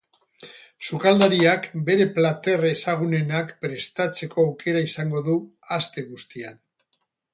Sukaldariak bere plater ezagunenak prestatzeko aukera izango du aste guztian.